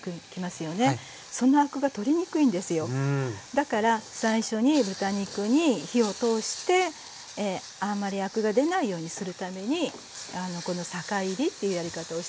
だから最初に豚肉に火を通してあんまりアクが出ないようにするためにこの酒いりっていうやり方をしていきます。